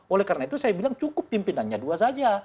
oleh karena itu saya bilang cukup pimpinannya dua saja